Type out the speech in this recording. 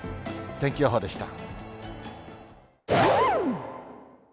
天気予報でした。